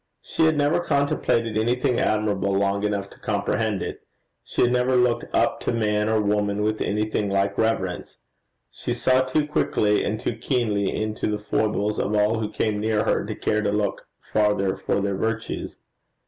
She had never contemplated anything admirable long enough to comprehend it; she had never looked up to man or woman with anything like reverence; she saw too quickly and too keenly into the foibles of all who came near her to care to look farther for their virtues.